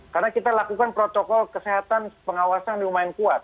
karena kita lakukan protokol kesehatan pengawasan lumayan kuat